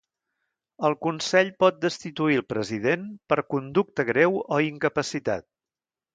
El consell pot destituir el president per conducta greu o incapacitat.